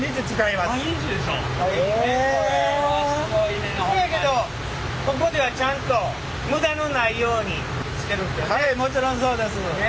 せやけどここではちゃんと無駄のないようにしてるんですよね？